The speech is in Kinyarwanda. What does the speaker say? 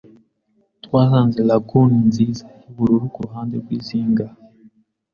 Twasanze lagoon nziza, yubururu kuruhande rwizinga.